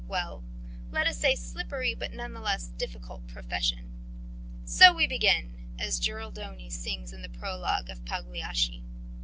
well, let us say, slippery, but nevertheless difficult, profession. 'So we begin,' as Giraldoni sings in the prologue to Pagliacci.